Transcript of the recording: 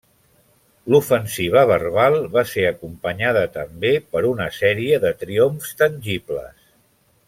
L'ofensiva verbal va ser acompanyada també per una sèrie de triomfs tangibles.